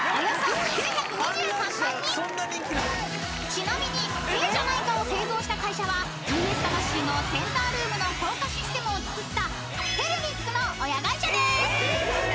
［ちなみにええじゃないかを製造した会社は『ＶＳ魂』のセンタールームの降下システムをつくったテルミックの親会社です］